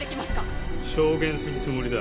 証言するつもりだ。